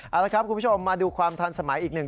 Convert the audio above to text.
เอาละครับคุณผู้ชมมาดูความทันสมัยอีกหนึ่ง